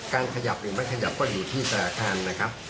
ขยับหรือไม่ขยับก็อยู่ที่สถานการณ์นะครับ